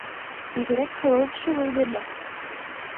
Бигерәк һылыу шул үҙе лә.